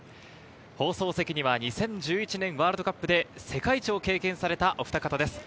放送席には２０１１年ワールドカップで世界一を経験されたおふた方です。